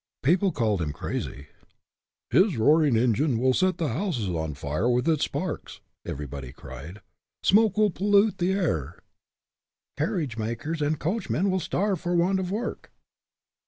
People called him crazy. " His roar ing engine will set the houses on fire with its sparks/' everybody cried. " Smoke will pol lute the air ";" carriage makers and coach men will starve for want of work."